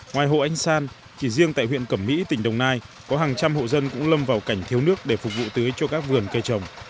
ngoài hộ anh san chỉ riêng tại huyện cẩm mỹ tỉnh đồng nai có hàng trăm hộ dân cũng lâm vào cảnh thiếu nước để phục vụ tưới cho các vườn cây trồng